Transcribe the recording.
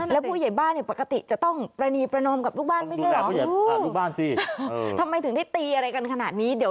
แล้วผู้ใหญ่บ้านปกติจะต้องประณีประนอมกับลูกบ้านทำไมถึงได้ตีอะไรกันขนาดนี้